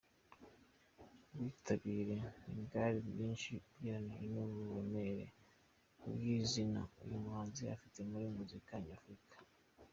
Ubwitabire ntibwari bwinshi ugereranyije n’uburemere bw’izina uyu muhanzi afite muri muzika nyafurika.